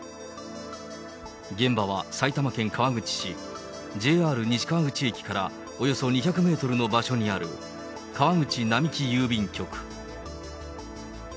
現場は、埼玉県川口市、ＪＲ西川口駅からおよそ２００メートルの場所にある、川口並木郵便局。